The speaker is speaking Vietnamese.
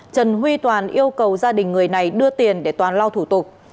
trần huy toàn yêu cầu gia đình người này đưa tiền để toàn lao thủ tục